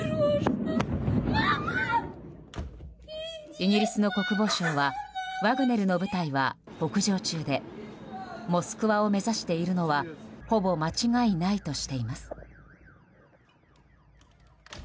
イギリスの国防省はワグネルの部隊は北上中でモスクワを目指しているのはほぼ間違いないとしています。